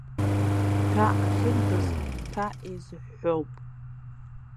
Ҭәа ахьырбаз ҭәа еизыҳәҳәоуп.